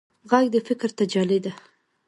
غږ د فکر تجلی ده